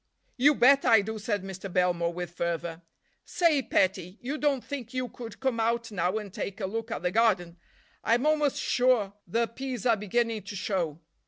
"You bet I do," said Mr. Belmore with fervor. "Say, petty, you don't think you could come out now and take a look at the garden? I'm almost sure the peas are beginning to show."